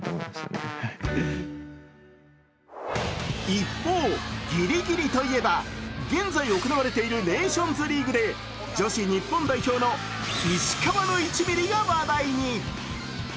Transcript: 一方、ギリギリといえば現在行われているネーションズリーグで女子日本代表の石川の１ミリが話題に。